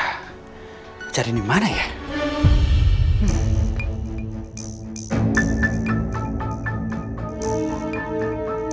bukti kelahirannya si meka